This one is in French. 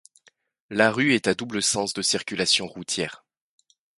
La rue est à double sens de circulation routière.